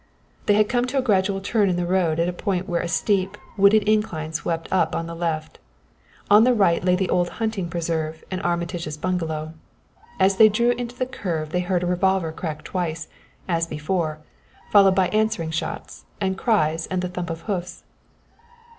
They had come to a gradual turn in the road at a point where a steep, wooded incline swept up on the left. On the right lay the old hunting preserve and Armitage's bungalow. As they drew into the curve they heard a revolver crack twice, as before, followed by answering shots and cries and the thump of hoofs.